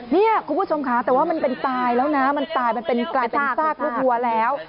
นี่คุณผู้ชมค่ะแต่ว่ามันเป็นตายแล้วนะมันตายมันกลายเป็นซากลูกวัวแล้ว